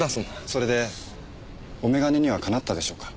それでお眼鏡にはかなったでしょうか？